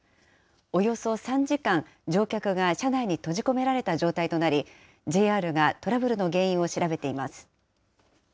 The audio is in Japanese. およそ３時間、乗客が車内に閉じ込められた状態となり、ＪＲがトラブルの原因を調べています。